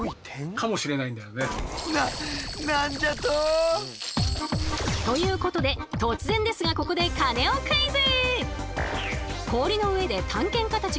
かもしれないんだよね。ということで突然ですがここでカネオクイズ！